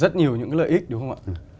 rất nhiều những cái lợi ích đúng không ạ